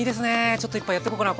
ちょっと１杯やってこうかな。